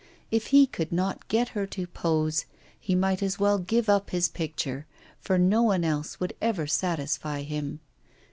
If he could not get her to pose, he might as well give up his picture, for no one else would ever satisfy him.